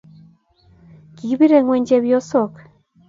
kikibire ng'weny chepyosok